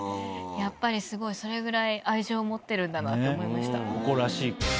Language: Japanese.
やっぱりすごいそれぐらい愛情を持ってるんだなって思いました。